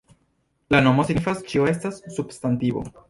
La nomo signifas "Ĉio estas substantivo".